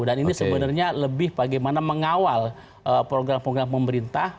dan ini sebenarnya lebih bagaimana mengawal program program pemerintah